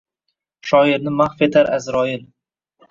Shoirni mahv etar Аzroil